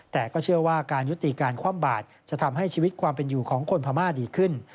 แต่ก็เชื่อว่าการยุติการคว่ำบาดจะทำให้ชีวิตความเป็นอยู่ของคนพม่าดีขึ้น